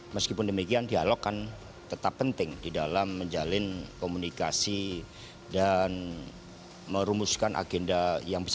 meskipun demikian dialog kan tetap penting di dalam menjalin komunikasi dan merumuskan agenda yang besar